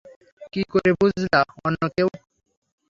কি করে বুঝলা অন্য কেউ?